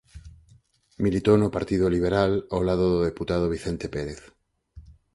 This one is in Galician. Militou no Partido Liberal ao lado do deputado Vicente Pérez.